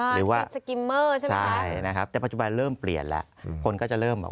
หรือว่าใช่นะครับแต่ปัจจุบันเริ่มเปลี่ยนแล้วคนก็จะเริ่มแบบ